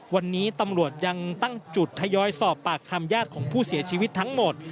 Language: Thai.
วันนี้ตำรวจยังตั้งจุดทยอยสอบปากคำญาติของผู้เสียชีวิตทั้งหมด